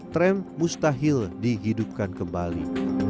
tram mustahil dihidupkan kembali